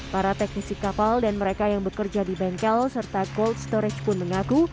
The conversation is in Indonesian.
para teknisi kapal dan mereka yang bekerja di bengkel serta cold storage pun mengaku